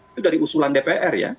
itu dari usulan dpr ya